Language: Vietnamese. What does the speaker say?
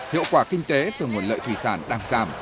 hiệu quả kinh tế từ nguồn lợi thủy sản đang giảm